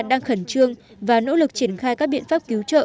đang khẩn trương và nỗ lực triển khai các biện pháp cứu trợ